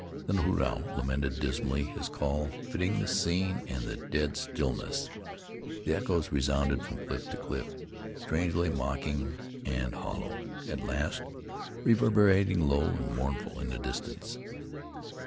Then a hoot owl lamented dismally, his call fitting the scene and the dead stillness; the echoes resounded from cliff to cliff, strangely mocking and hollow, at last reverberating low and mournful in the distance.